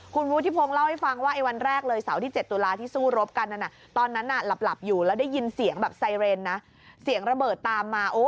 คุณวุฒิทธิพงเล่าให้ฟังว่า